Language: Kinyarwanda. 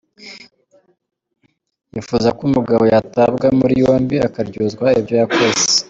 Yifuza ko umugabo yatabwa muri yombi akaryozwa ibyo yakoze.